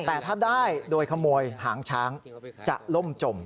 แต่ถ้าได้โดยขโมยหางช้างจะล่มจม